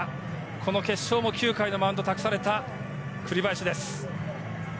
この決勝も９回のマウンドを託された栗林です。